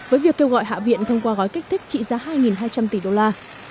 với việc kêu gọi hạ viện thông qua gói kích thích trị giá hai hai trăm linh tỷ đô la